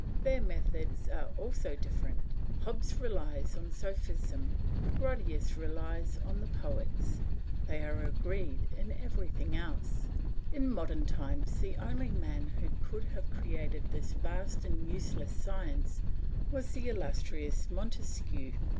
Their methods are also different: Hobbes relies on sophism; Grotius relies on the poets; they are agreed in everything else. In modern times the only man who could have created this vast and useless science was the illustrious Montesquieu.